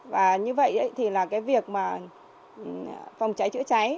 và như vậy thì là cái việc mà phòng cháy chữa cháy